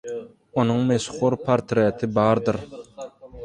Onuň meşhur portreti bardyr.